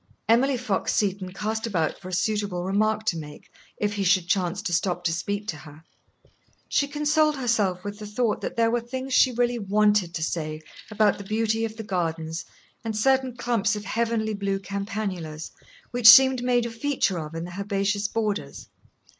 Emily Fox Seton cast about for a suitable remark to make, if he should chance to stop to speak to her. She consoled herself with the thought that there were things she really wanted to say about the beauty of the gardens, and certain clumps of heavenly blue campanulas, which seemed made a feature of in the herbaceous borders.